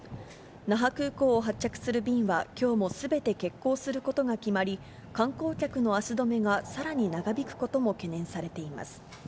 那覇空港を発着する便はきょうもすべて欠航することが決まり、観光客の足止めがさらに長引くことも懸念されています。